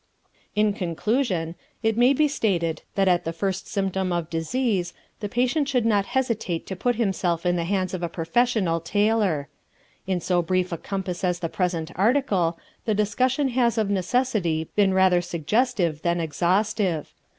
In conclusion, it may be stated that at the first symptom of disease the patient should not hesitate to put himself in the hands of a professional tailor. In so brief a compass as the present article the discussion has of necessity been rather suggestive than exhaustive.